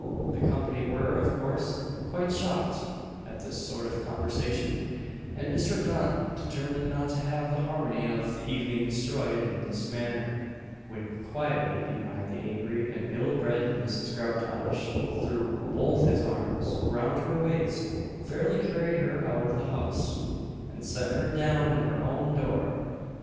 The company were, of course, quite shocked at this sort of conversation; and Mr. Dunn, determined not to have the harmony of the evening destroyed in this manner, went quietly behind the angry and ill bred Mrs. Groutage, threw both his arms round her waist, fairly carried her out of the house, and set her down at her own door!